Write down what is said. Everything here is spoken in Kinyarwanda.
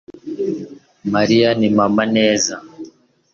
mariya ni mama. neza